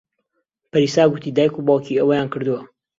پەریسا گوتی دایک و باوکی ئەوەیان کردووە.